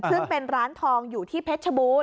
ซึ่งเป็นร้านทองอยู่ที่เพชรชบูรณ